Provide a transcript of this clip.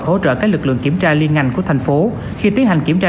hỗ trợ các lực lượng kiểm tra liên ngành của tp hcm khi tiến hành kiểm tra